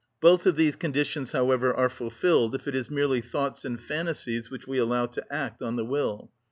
Both of these conditions, however, are fulfilled if it is merely thoughts and phantasies which we allow to act on the will.